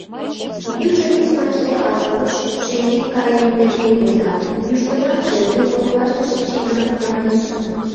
Южо письмаште ала-куш, шеҥгек кайыме нерген воза, южгунамже тул коклаште шинчена, манеш.